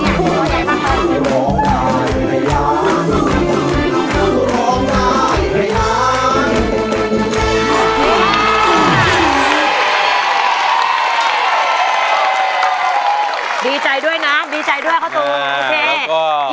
ดีใจด้วยนะก็ดีใจด้วยเกียรมาก